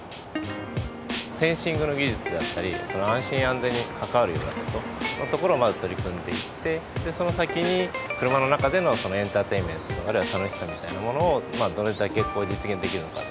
センシングの技術であったりその安心安全にかかわるようなことそのところをまず取り組んでいってでその先に車の中でのそのエンタテインメントあるいは楽しさみたいなものをまあどれだけこう実現できるのかって。